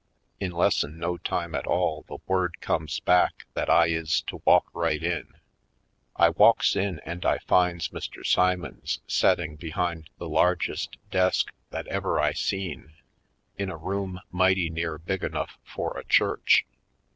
In lessen no time at all the word comes back that I is to walk right in. I walks in and I finds Mr. Simons setting behind the largest desk that ever I seen, in a room mighty near big enough for a church.